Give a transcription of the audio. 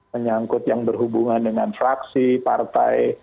menyangkut yang berhubungan dengan fraksi partai